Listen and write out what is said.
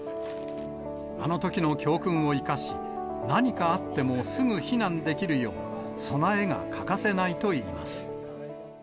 あのときの教訓を生かし、何かあってもすぐ避難できるよう、備えが欠かせないといいます。